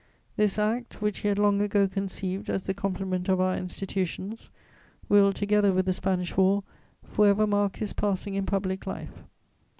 This Act, which he had long ago conceived as the complement of our institutions, will, together with the Spanish War, for ever mark his passing in public life.